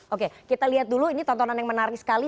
oke kita lihat dulu ini tontonan yang menarik sekali